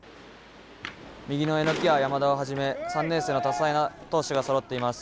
右の榎谷、山田をはじめ３年生の多彩な投手がそろっています。